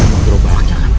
sama gerobaknya kang